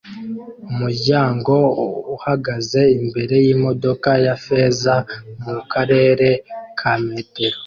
Umuryango uhagaze imbere yimodoka ya feza mukarere ka metero